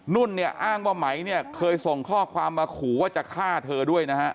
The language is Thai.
นุ่นเนี่ยอ้างว่าไหมเนี่ยเคยส่งข้อความมาขู่ว่าจะฆ่าเธอด้วยนะฮะ